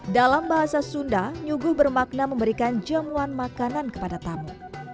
dalam bahasa sunda nyuguh bermakna memberikan jamuan makanan kepada tamu